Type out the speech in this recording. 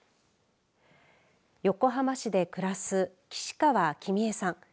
横浜市で暮らす岸川紀美恵さん。